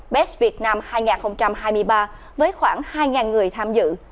best việt nam hai nghìn hai mươi ba với khoảng hai người tham dự